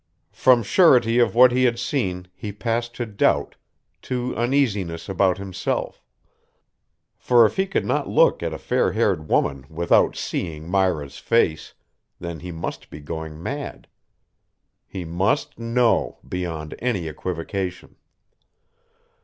From surety of what he had seen he passed to doubt, to uneasiness about himself: for if he could not look at a fair haired woman without seeing Myra's face, then he must be going mad. He must know, beyond any equivocation.